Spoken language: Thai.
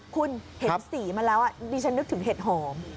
คุณเห็นสีมาแล้วดิฉันนึกถึงเห็ดหอม